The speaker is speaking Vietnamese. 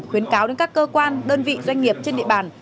khuyến cáo đến các cơ quan đơn vị doanh nghiệp trên địa bàn